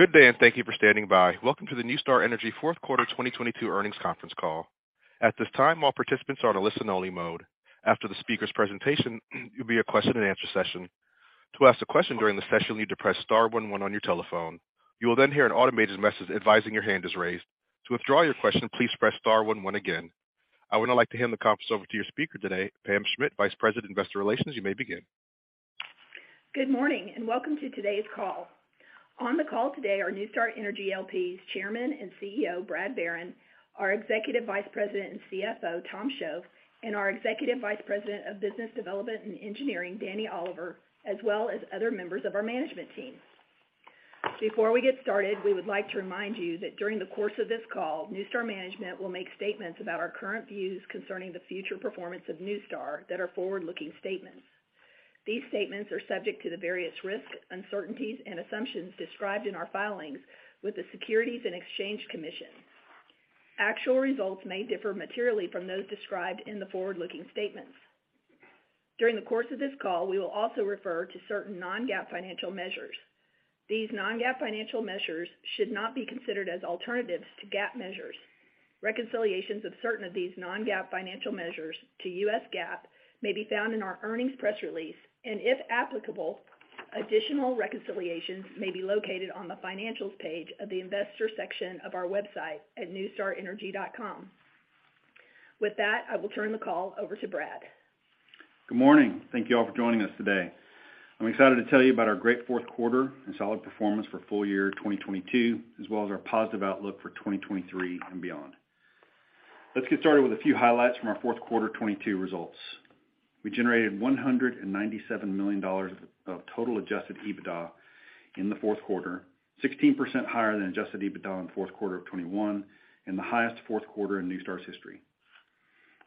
Good day, and thank you for standing by. Welcome to the NuStar Energy Q4 2022 earnings conference call. At this time, all participants are in a listen-only mode. After the speaker's presentation, there'll be a question and answer session. To ask a question during the session, you'll need to press star one one on your telephone. You will then hear an automated message advising your hand is raised. To withdraw your question, please press star one one again. I would now like to hand the conference over to your speaker today, Pam Schmidt, Vice President, Investor Relations. You may begin. Good morning, and welcome to today's call. On the call today are NuStar Energy L.P.'s Chairman and CEO, Brad Barron, our Executive Vice President and CFO, Tom Shoaf, and our Executive Vice President of Business Development and Engineering, Danny Oliver, as well as other members of our management team. Before we get started, we would like to remind you that during the course of this call, NuStar management will make statements about our current views concerning the future performance of NuStar that are forward-looking statements. These statements are subject to the various risks, uncertainties, and assumptions described in our filings with the Securities and Exchange Commission. Actual results may differ materially from those described in the forward-looking statements. During the course of this call, we will also refer to certain non-GAAP financial measures. These non-GAAP financial measures should not be considered as alternatives to GAAP measures. Reconciliations of certain of these non-GAAP financial measures to U.S. GAAP may be found in our earnings press release, and if applicable, additional reconciliations may be located on the financials page of the investor section of our website at nustarenergy.com. With that, I will turn the call over to Brad. Good morning. Thank you all for joining us today. I'm excited to tell you about our great Q4 and solid performance for full year 2022, as well as our positive outlook for 2023 and beyond. Let's get started with a few highlights from our Q4 22 results. We generated $197 million of total adjusted EBITDA in the Q4, 16% higher than adjusted EBITDA in the Q4 of 2021, and the highest Q4 in NuStar's history.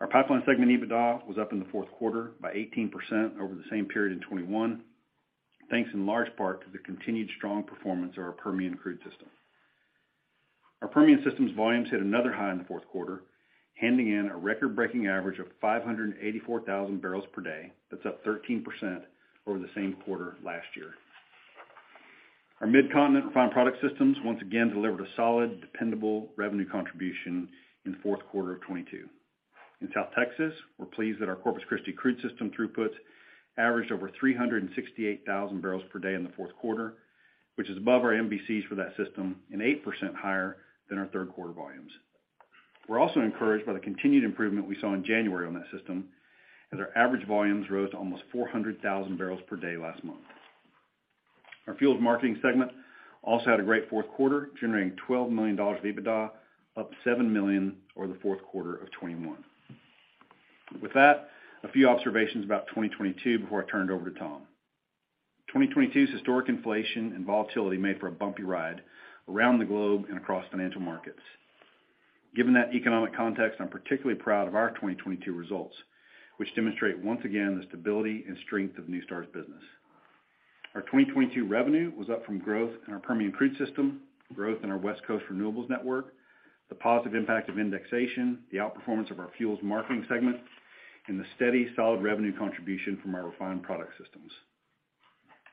Our pipeline segment EBITDA was up in the Q4 by 18% over the same period in 2021, thanks in large part to the continued strong performance of our Permian Crude System. Our Permian systems volumes hit another high in the Q4, handing in a record-breaking average of 584,000 barrels per day. That's up 13% over the same quarter last year. Our Midcontinent refined product systems once again delivered a solid, dependable revenue contribution in the Q4 of 2022. In South Texas, we're pleased that our Corpus Christi crude system throughputs averaged over 368,000 barrels per day in the Q4, which is above our MVCs for that system and 8% higher than our Q3 volumes. We're also encouraged by the continued improvement we saw in January on that system, as our average volumes rose to almost 400,000 barrels per day last month. Our fuels marketing segment also had a great Q4, generating $12 million of EBITDA, up $7 million over the Q4 of 2021. With that, a few observations about 2022 before I turn it over to Tom. 2022's historic inflation and volatility made for a bumpy ride around the globe and across financial markets. Given that economic context, I'm particularly proud of our 2022 results, which demonstrate once again the stability and strength of NuStar's business. Our 2022 revenue was up from growth in our Permian Crude System, growth in our West Coast Renewables Network, the positive impact of indexation, the outperformance of our fuels marketing segment, and the steady, solid revenue contribution from our refined product systems.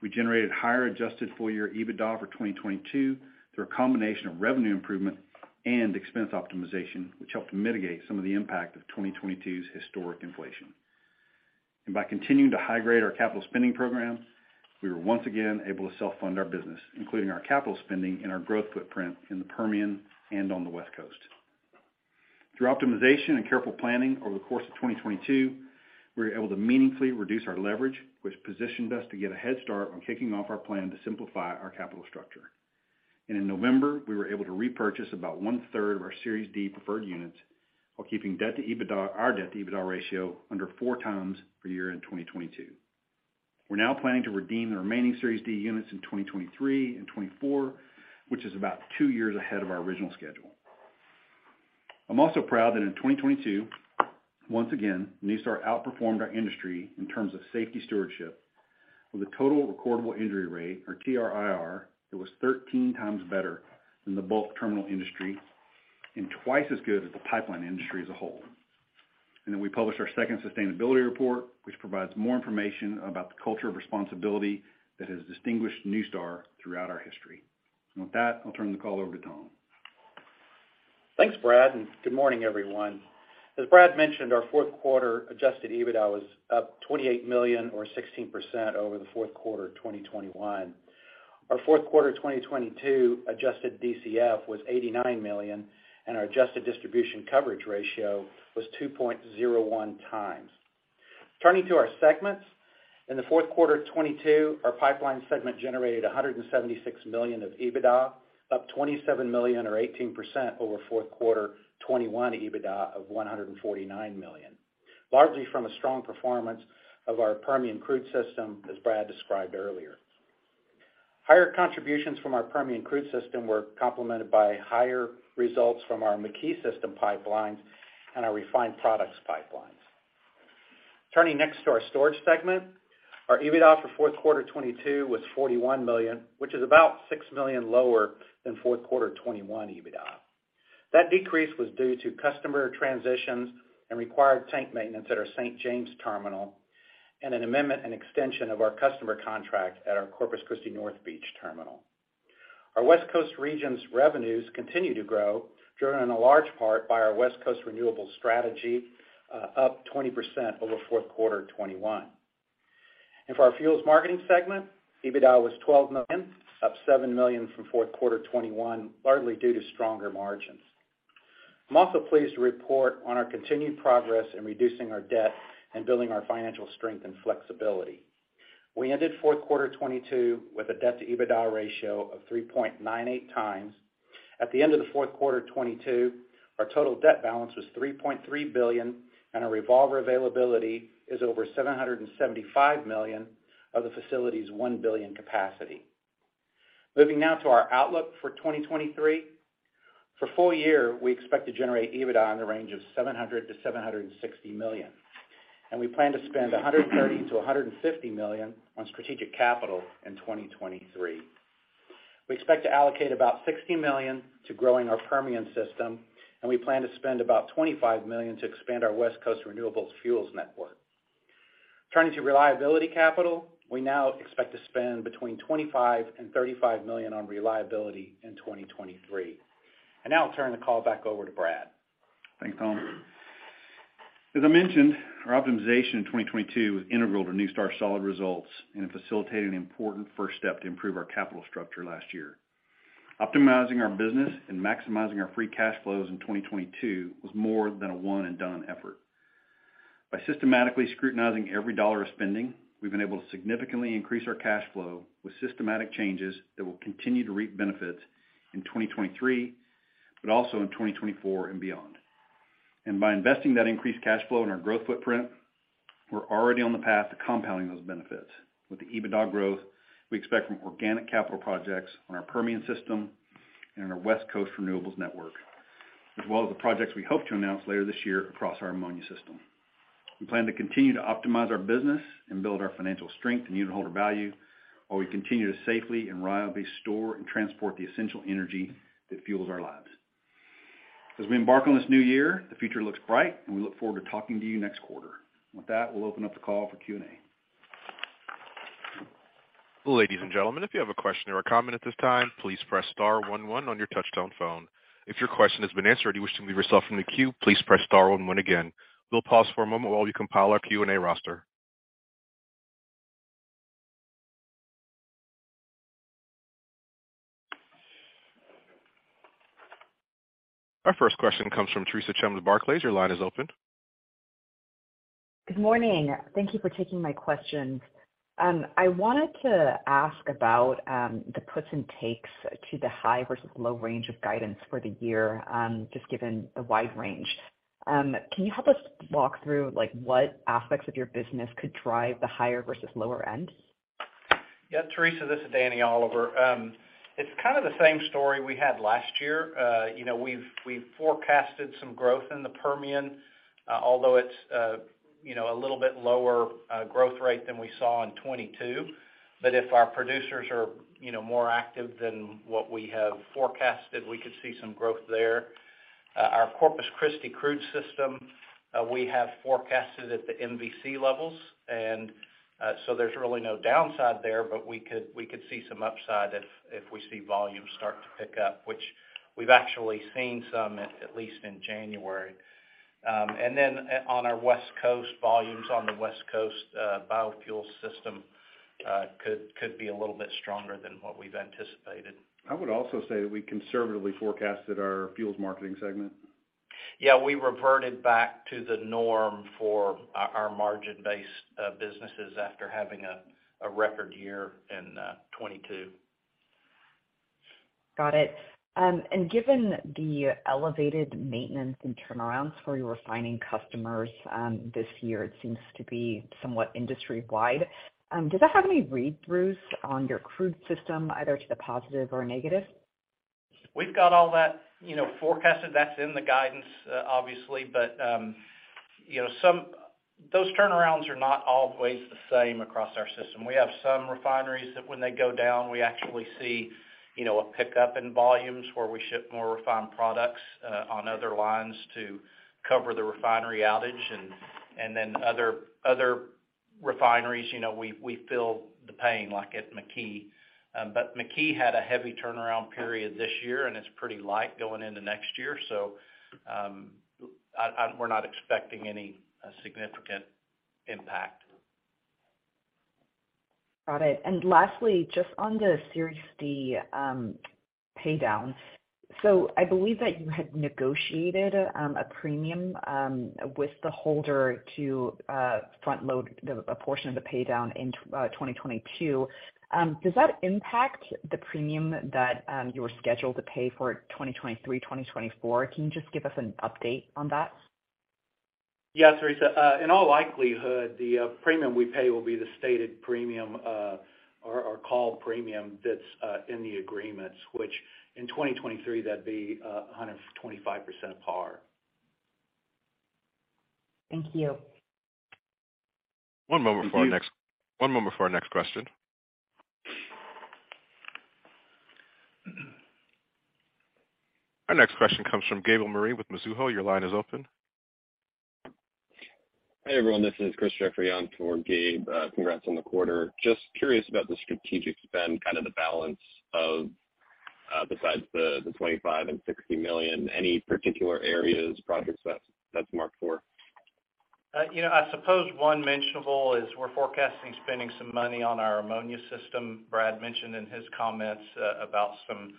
We generated higher adjusted full-year EBITDA for 2022 through a combination of revenue improvement and expense optimization, which helped to mitigate some of the impact of 2022's historic inflation. By continuing to high-grade our capital spending program, we were once again able to self-fund our business, including our capital spending and our growth footprint in the Permian and on the West Coast. Through optimization and careful planning over the course of 2022, we were able to meaningfully reduce our leverage, which positioned us to get a head start on kicking off our plan to simplify our capital structure. In November, we were able to repurchase about one-third of our Series D preferred units while keeping debt-to-EBITDA, our debt-to-EBITDA ratio under 4x for year-end 2022. We're now planning to redeem the remaining Series D units in 2023 and 2024, which is about 2 years ahead of our original schedule. I'm also proud that in 2022, once again, NuStar outperformed our industry in terms of safety stewardship with a total recordable injury rate, or TRIR, that was 13x better than the bulk terminal industry and 2x as good as the pipeline industry as a whole. Then we published our second sustainability report, which provides more information about the culture of responsibility that has distinguished NuStar throughout our history. With that, I'll turn the call over to Tom. Thanks, Brad, good morning, everyone. As Brad mentioned, our Q4 adjusted EBITDA was up $28 million or 16% over the Q4 of 2021. Our Q4 2022 adjusted DCF was $89 million, and our adjusted distribution coverage ratio was 2.01x. Turning to our segments, in the Q4 of 2022, our pipeline segment generated $176 million of EBITDA, up $27 million or 18% over Q4 2021 EBITDA of $149 million, largely from a strong performance of our Permian Crude System, as Brad described earlier. Higher contributions from our Permian Crude System were complemented by higher results from our McKee System pipelines and our refined products pipelines. Turning next to our storage segment, our EBITDA for Q4 2022 was $41 million, which is about $6 million lower than Q4 2021 EBITDA. That decrease was due to customer transitions and required tank maintenance at our St. James terminal and an amendment and extension of our customer contract at our Corpus Christi North Beach terminal. Our West Coast region's revenues continue to grow, driven in a large part by our West Coast renewables strategy, up 20% over Q4 2021. For our fuels marketing segment, EBITDA was $12 million, up $7 million from Q4 2021, largely due to stronger margins. I'm also pleased to report on our continued progress in reducing our debt and building our financial strength and flexibility. We ended Q4 2022 with a debt-to-EBITDA ratio of 3.98x. At the end of the Q4 2022, our total debt balance was $3.3 billion, and our revolver availability is over $775 million of the facility's $1 billion capacity. Moving now to our outlook for 2023. For full year, we expect to generate EBITDA in the range of $700 to 760 million, and we plan to spend $130 to 150 million on strategic capital in 2023. We expect to allocate about $60 million to growing our Permian system, and we plan to spend about $25 million to expand our West Coast Renewable Fuels Network. Turning to reliability capital, we now expect to spend between $25 and 35 million on reliability in 2023. Now I'll turn the call back over to Brad. Thanks, Tom. As I mentioned, our optimization in 2022 was integral to NuStar's solid results, and it facilitated an important first step to improve our capital structure last year. Optimizing our business and maximizing our free cash flows in 2022 was more than a one-and-done effort. By systematically scrutinizing every dollar of spending, we've been able to significantly increase our cash flow with systematic changes that will continue to reap benefits in 2023, but also in 2024 and beyond. By investing that increased cash flow in our growth footprint, we're already on the path to compounding those benefits with the EBITDA growth we expect from organic capital projects on our Permian system and our West Coast renewables network, as well as the projects we hope to announce later this year across our ammonia system. We plan to continue to optimize our business and build our financial strength and unitholder value while we continue to safely and reliably store and transport the essential energy that fuels our lives. As we embark on this new year, the future looks bright, and we look forward to talking to you next quarter. With that, we'll open up the call for Q&A. Ladies and gentlemen, if you have a question or a comment at this time, please press star one one on your touch-tone phone. If your question has been answered or you wish to remove yourself from the queue, please press star one one again. We'll pause for a moment while we compile our Q&A roster. Our first question comes from Theresa Chen with Barclays. Your line is open. Good morning. Thank you for taking my questions. I wanted to ask about the puts and takes to the high versus low range of guidance for the year, just given the wide range. Can you help us walk through, like, what aspects of your business could drive the higher versus lower end? Yeah, Theresa Chen, this is Danny Oliver. It's kind of the same story we had last year. You know, we've forecasted some growth in the Permian, although it's, you know, a little bit lower growth rate than we saw in 2022. If our producers are, you know, more active than what we have forecasted, we could see some growth there. Our Corpus Christi Crude System, we have forecasted at the MVC levels. So there's really no downside there, but we could see some upside if we see volumes start to pick up, which we've actually seen some at least in January. Volumes on the West Coast biofuel system could be a little bit stronger than what we've anticipated. I would also say that we conservatively forecasted our fuels marketing segment. Yeah, we reverted back to the norm for our margin-based businesses after having a record year in 22. Got it. Given the elevated maintenance and turnarounds for your refining customers, this year, it seems to be somewhat industry-wide. Does that have any read-throughs on your crude system, either to the positive or negative? We've got all that, you know, forecasted. That's in the guidance, obviously. you know, Those turnarounds are not always the same across our system. We have some refineries that when they go down, we actually see, you know, a pickup in volumes where we ship more refined products on other lines to cover the refinery outage. Then other refineries, you know, we feel the pain like at McKee. McKee had a heavy turnaround period this year, and it's pretty light going into next year. we're not expecting any significant impact. Got it. Lastly, just on the Series D pay down. I believe that you had negotiated a premium with the holder to front load a portion of the pay down in 2022. Does that impact the premium that you were scheduled to pay for 2023, 2024? Can you just give us an update on that? Yeah, Theresa. In all likelihood, the premium we pay will be the stated premium, or called premium that's in the agreements, which in 2023, that'd be 125% par. Thank you. One moment for our next question. Our next question comes from Gabriel Moreen with Mizuho. Your line is open. Hey everyone, this is Chris Jeffrey on for Gabe. Congrats on the quarter. Just curious about the strategic spend, kind of the balance of, besides the $25 and 60 million, any particular areas, projects that's marked for? you know, I suppose one mentionable is we're forecasting spending some money on our ammonia system. Brad mentioned in his comments about some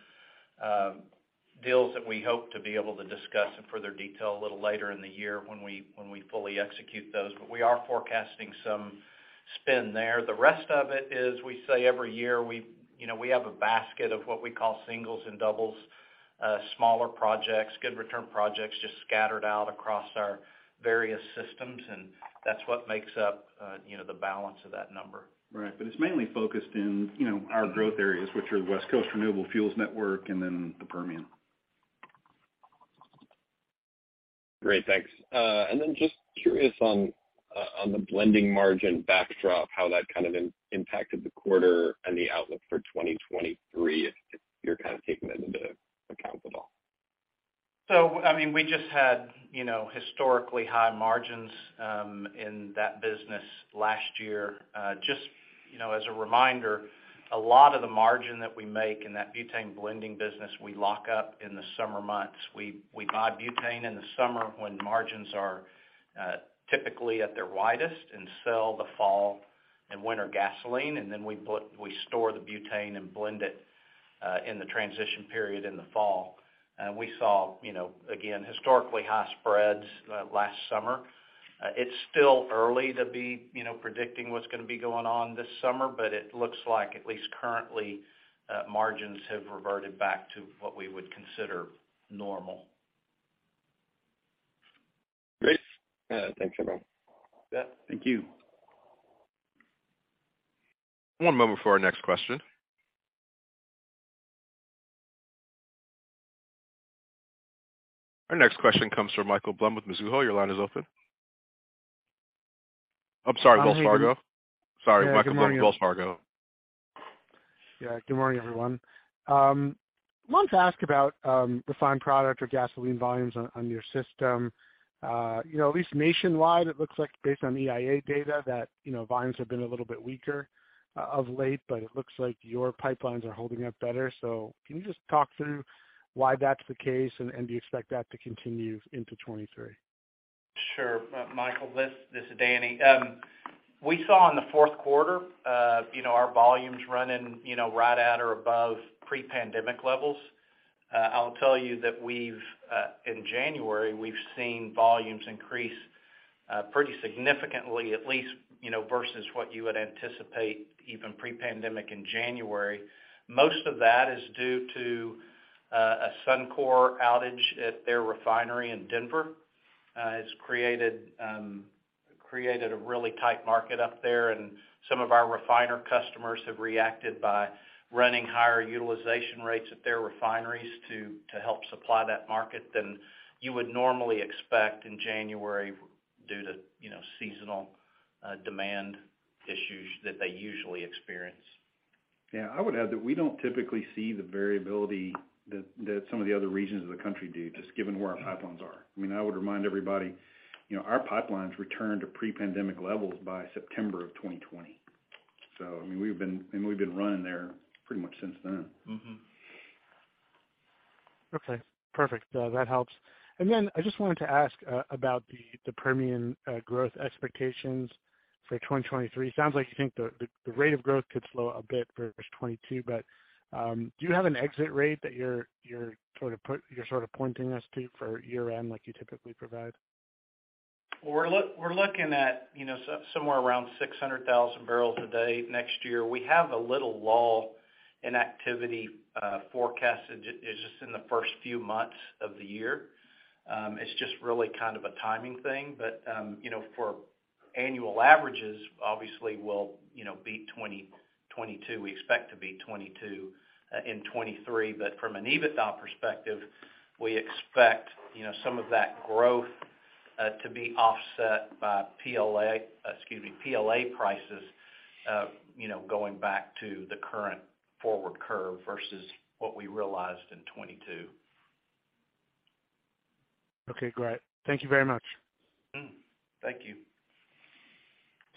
deals that we hope to be able to discuss in further detail a little later in the year when we fully execute those. We are forecasting some spend there. The rest of it is, we say every year, we, you know, we have a basket of what we call singles and doubles, smaller projects, good return projects just scattered out across our various systems, and that's what makes up, you know, the balance of that number. Right. It's mainly focused in, you know, our growth areas, which are the West Coast Renewable Fuels Network and then the Permian. Great. Thanks. Just curious on the blending margin backdrop, how that kind of impacted the quarter and the outlook for 2023, if you're kind of taking that into account at all. I mean, we just had, you know, historically high margins in that business last year. Just, you know, as a reminder, a lot of the margin that we make in that butane blending business, we buy butane in the summer when margins are typically at their widest and sell the fall and winter gasoline, and then we store the butane and blend it in the transition period in the fall. We saw, you know, again, historically high spreads last summer. It's still early to be, you know, predicting what's gonna be going on this summer, but it looks like, at least currently, margins have reverted back to what we would consider normal. Great. Thanks everyone. Yeah. Thank you. One moment for our next question. Our next question comes from Michael Blum with Mizuho. Your line is open. I'm sorry, Wells Fargo. Sorry, Michael Blum, Wells Fargo. Good morning, everyone. wanted to ask about refined product or gasoline volumes on your system. you know, at least nationwide it looks like based on EIA data that, you know, volumes have been a little bit weaker of late, but it looks like your pipelines are holding up better. can you just talk through why that's the case and do you expect that to continue into 2023? Sure. Michael, this is Danny. We saw in the Q4, you know, our volumes running, you know, right at or above pre-pandemic levels. I'll tell you that we've in January, we've seen volumes increase pretty significantly at least, you know, versus what you would anticipate even pre-pandemic in January. Most of that is due to a Suncor outage at their refinery in Denver, has created a really tight market up there. Some of our refiner customers have reacted by running higher utilization rates at their refineries to help supply that market than you would normally expect in January due to, you know, seasonal demand issues that they usually experience. Yeah. I would add that we don't typically see the variability that some of the other regions of the country do, just given where our pipelines are. I mean, I would remind everybody, you know, our pipelines returned to pre-pandemic levels by September of 2020. I mean, we've been running there pretty much since then. Okay. Perfect. That helps. I just wanted to ask, about the Permian, growth expectations for 2023. Sounds like you think the rate of growth could slow a bit versus 2022. Do you have an exit rate that you're sort of pointing us to for year-end like you typically provide? we're looking at, you know, somewhere around 600,000 barrels a day next year. We have a little lull in activity, forecasted just in the first few months of the year. It's just really kind of a timing thing. you know, for annual averages obviously we'll, you know, beat 2022. We expect to beat 2022 in 2023. from an EBITDA perspective, we expect, you know, some of that growth to be offset by PLA, excuse me, PLA prices, you know, going back to the current forward curve versus what we realized in 2022. Okay. Great. Thank you very much. Thank you.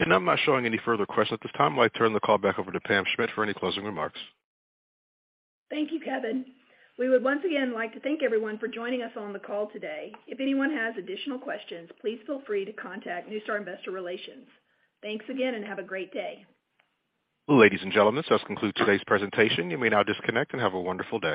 I'm not showing any further questions at this time. I'd like to turn the call back over to Pam Schmidt for any closing remarks. Thank you, Kevin. We would once again like to thank everyone for joining us on the call today. If anyone has additional questions, please feel free to contact NuStar Investor Relations. Thanks again, and have a great day. Ladies and gentlemen, this does conclude today's presentation. You may now disconnect and have a wonderful day.